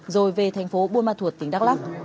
rồi về thành phố buôn ma thuột tỉnh đắk lắc